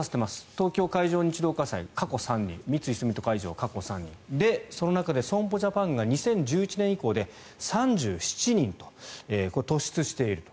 東京海上日動火災、過去３人三井住友海上、過去３人で、その中で損保ジャパンが２０１１年以降で３７人とこれ、突出していると。